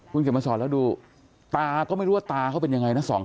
คุณเขียนมาสอนแล้วดูตาก็ไม่รู้ว่าตาเขาเป็นยังไงนะ